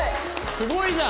すごいなあ！